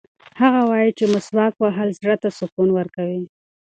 هغه وایي چې مسواک وهل زړه ته سکون ورکوي.